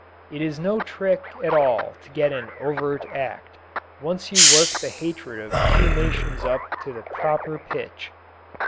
It is no trick at all to get an "overt act" once you work the hatred of two nations up to the proper pitch.